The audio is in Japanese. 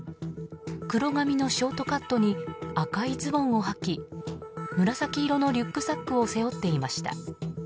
黒髪のショートカットに赤いズボンをはき紫色のリュックサックを背負っていました。